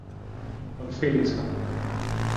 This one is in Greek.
Τον φίλησα